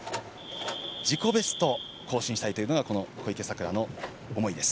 自己ベスト更新したいというのが小池さくらの思いです。